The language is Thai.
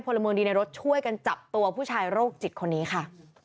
พลเมืองดีในรถช่วยกันจับตัวผู้ชายโรคจิตคนนี้ค่ะ